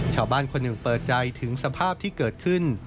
ชาวบ้านคนหนึ่งเปิดใจถึงสภาพที่เกิดขึ้น